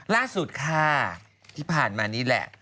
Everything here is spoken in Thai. ล่าสุดค่ะที่ผ่านมานี่แหละ